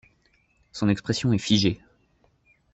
Son expression est figée.